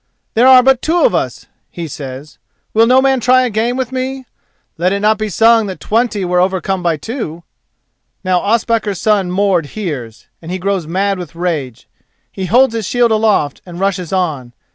"There are but two of us," he says, "will no man try a game with me? Let it not be sung that twenty were overcome of two." Now Ospakar's son Mord hears, and he grows mad with rage. He holds his shield aloft and rushes on.